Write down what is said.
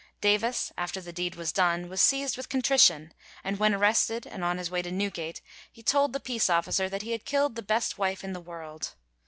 Davis after the deed was done was seized with contrition, and when arrested and on his way to Newgate, he told the peace officer that he had killed the best wife in the world.